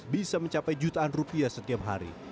bisa mencapai jutaan rupiah setiap hari